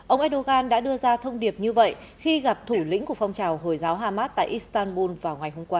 ông erdogan đã đưa ra thông điệp như vậy khi gặp thủ lĩnh của phong trào hồi giáo hamas tại istanbul vào ngày hôm qua